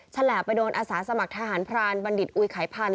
ฉลาบไปโดนอาสาสมัครทหารพรานบัณฑิตอุยไขพันธ